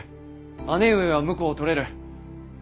姉上は婿を取れる。